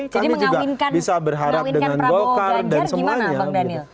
jadi mengawinkan prabowo ganjar gimana bang daniel